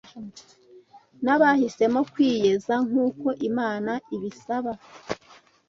n’abahisemo kwiyeza nk’uko Imana ibisaba